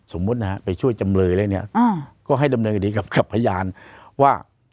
สมมุตินะฮะไปช่วยจำเลยแล้วเนี่ยก็ให้ดำเนินคดีกับพยานว่า